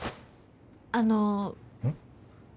あのうん？